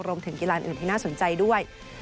รวมถึงกีฬาอื่นที่น่าสนใจด้วย